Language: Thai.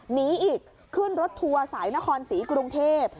หนีอีกขึ้นรถทัวร์สายนครศรีกรุงเทพ